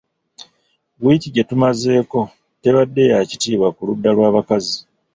Wiiki gye tumazeeko tebadde ya kitiibwa ku ludda lwa bakazi.